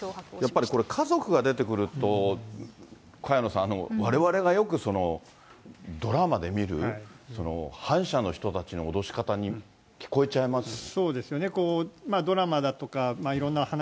やっぱりこれ、家族が出てくると、萱野さん、われわれがよくドラマで見る、反社の人たちの脅し方に聞こえちゃいますね。